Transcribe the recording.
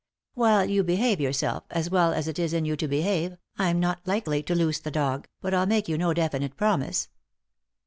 " While you behave yourself, as well as it is in you to behave, I'm not likely to loose the dog, but I'll make you no definite promise.